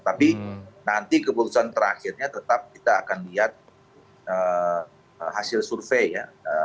tapi nanti keputusan terakhirnya tetap kita akan lihat hasil survei ya